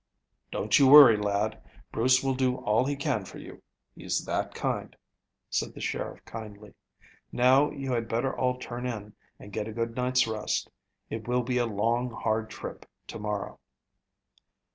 "Don't you worry, lad. Bruce will do all he can for you he's that kind," said the sheriff kindly. "Now you had better all turn in and get a good night's rest. It will be a long hard trip in to morrow."